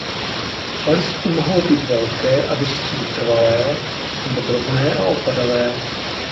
Palisty mohou být velké a dosti vytrvalé nebo drobné a opadavé.